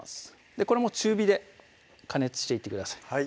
これも中火で加熱していってください